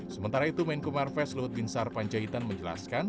sementara itu menkoman fesluhut bin sar panjaitan menjelaskan